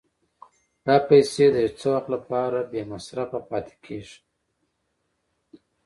دا پیسې د یو څه وخت لپاره بې مصرفه پاتې کېږي